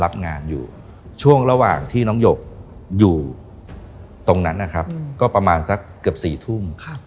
รับงานอยู่ช่วงระหว่างที่น้องหยกอยู่ตรงนั้นนะครับก็ประมาณสักเกือบ๔ทุ่ม